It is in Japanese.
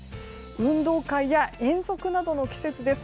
運動会や遠足などの季節です。